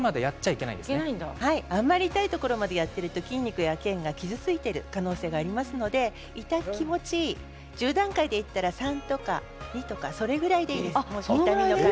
痛いところまで筋肉やけんが傷ついている可能性がありますので痛気持ちいい１０段階でいったら３とか２でそれぐらいでいいです。